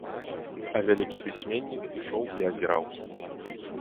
А вялікі пісьменнік ішоў і азіраўся.